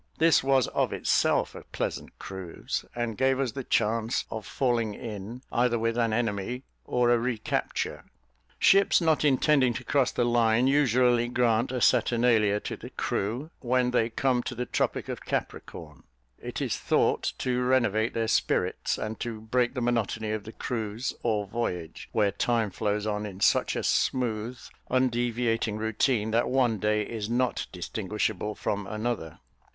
This was of itself a pleasant cruise, and gave us the chance of falling in either with an enemy or a recapture. Ships not intending to cross the line usually grant a saturnalia to the crew when they come to the tropic of Capricorn; it is thought to renovate their spirits, and to break the monotony of the cruise, or voyage, where time flows on in such a smooth, undeviating routine, that one day is not distinguishable from another.